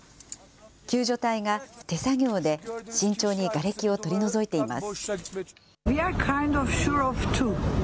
救助隊が手作業で慎重にがれきを取り除いています。